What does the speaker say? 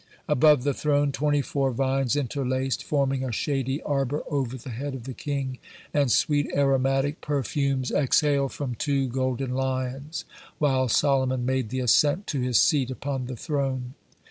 Above the throne twenty four vines interlaced, forming a shady arbor over the head of the king, and sweet aromatic perfumes exhaled from two golden lions, while Solomon made the ascent to his seat upon the throne.